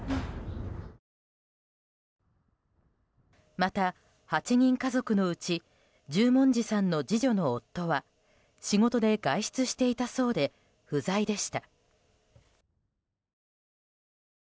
また、８人家族のうち十文字さんの次女の夫は仕事で外出していたそうで不在でした。